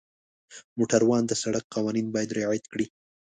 موټروان د سړک قوانین باید رعایت کړي.